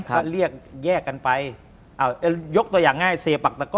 เขาเรียกแยกกันไปเอ้ายกตัวอย่างง่ายเสปักตะก็